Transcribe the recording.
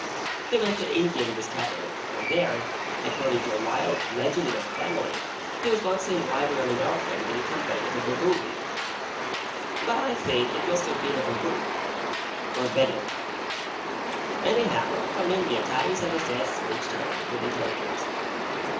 He went to India with his capital, and there, according to a wild legend in our family, he was once seen riding on an elephant, in company with a Baboon; but I think it must have been a Baboo or a Begum. Anyhow, from India tidings of his death reached home, within ten years.